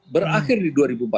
berakhir di dua ribu empat belas